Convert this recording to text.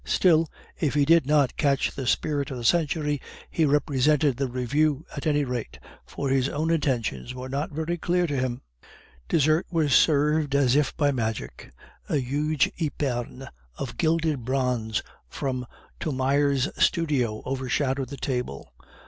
Still, if he did not catch the spirit of the century, he represented the Revue at any rate, for his own intentions were not very clear to him. Dessert was served as if by magic. A huge epergne of gilded bronze from Thomire's studio overshadowed the table.